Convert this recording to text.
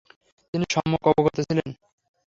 তিনি সম্যক অবগত ছিলেন।